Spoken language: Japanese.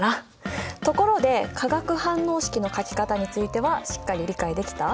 ところで化学反応式の書き方についてはしっかり理解できた？